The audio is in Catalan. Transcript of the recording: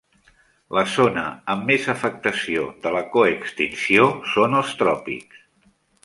La zona amb més afectació de la coextinció són els tròpics.